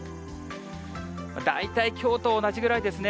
大体きょうと同じぐらいですね。